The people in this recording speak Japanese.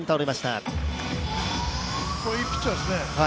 いいピッチャーですね。